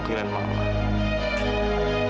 mama nggak mau allie